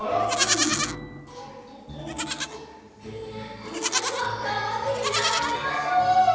おうちのひとはがんばってひざをあげましょう！